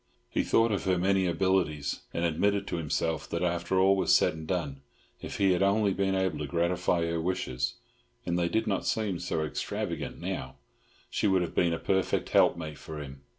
He thought of her many abilities, and admitted to himself that after all was said and done, if he had only been able to gratify her wishes (and they did not seem so extravagant now) she would have been a perfect helpmate for him.